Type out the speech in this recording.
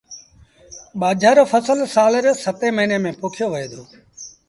ٻآجھر رو ڦسل سآل ري ستيٚن موهيݩي ميݩ پوکيو وهي دو۔